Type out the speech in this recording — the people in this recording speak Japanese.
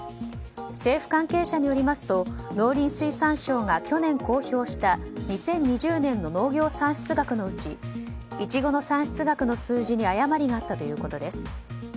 政府関係者によりますと農林水産省が去年公表した２０２０年の農業産出額のうちイチゴの産出額の数字に誤りがあったということです。